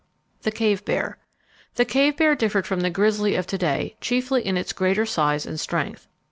The Cave Bear. The cave bear differed from the grizzly of to day chiefly in its greater size and strength.